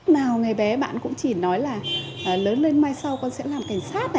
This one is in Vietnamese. nào ngày bé bạn cũng chỉ nói là lớn lên mai sau con sẽ làm cảnh sát